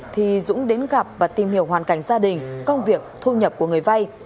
thì dũng đến gặp và tìm hiểu hoàn cảnh gia đình công việc thu nhập của người vay